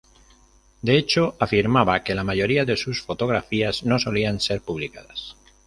De hecho, afirmaba que la mayoría de sus fotografías no solían ser publicadas.